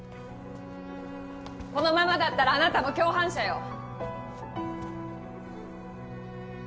このままだったらあなたも共犯者よ